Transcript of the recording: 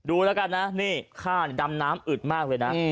ดูแล้วกันนะนี่ค่าดำน้ำอึดมากเลยนะ